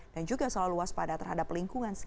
dan juga selalu waspada terhadap lingkungan